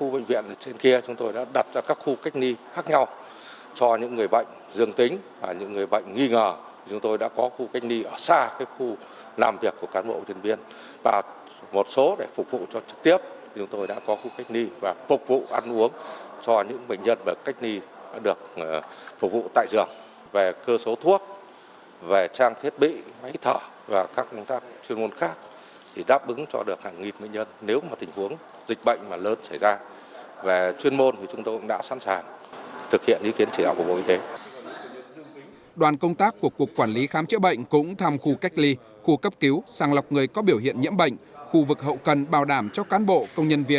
bệnh viện nhiệt đới trung ương đã được cách ly điều trị và dần ổn định sức khỏe